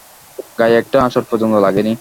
গাঁয়ে একটা আঁচড় পর্যন্ত লাগে নি।